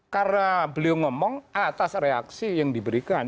karena beliau ngomong atas reaksi yang diberikan